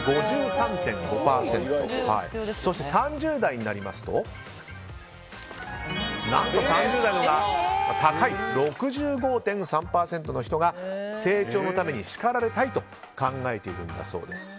そして３０代になりますと何と３０代のほうが高い６５．３％の人が成長のために叱られたいと考えているんだそうです。